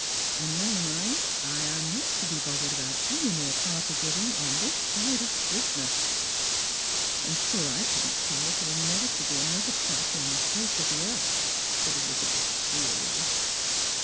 "And now mind, I am not to be bothered about any more party giving on this side of Christmas." " I am sure I shouldn't care if there were never to he an other party on the face of the earth," said Elizabeth drea' 'Jy.